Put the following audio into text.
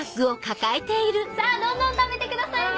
さぁどんどん食べてくださいね！